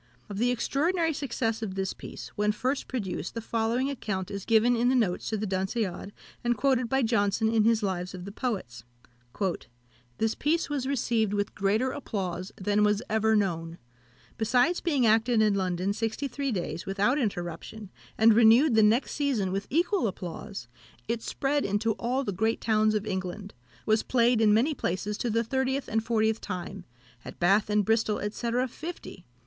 Of the extraordinary success of this piece, when first produced, the following account is given in the notes to The Dunciad, and quoted by Johnson in his Lives of the Poets: "This piece was received with greater applause than was ever known. Besides being acted in London sixty three days without interruption, and renewed the next season with equal applause, it spread into all the great towns of England; was played in many places to the thirtieth and fortieth time; at Bath and Bristol, &c. fifty.